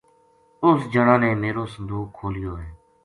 اس جنا نے میرو صندوق کھولیو ہے